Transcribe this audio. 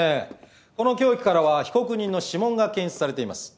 この凶器からは被告人の指紋が検出されています。